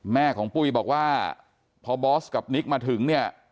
แม่ของปุ้ยบอกว่าพอบอสกับนิกมาถึงเนี่ย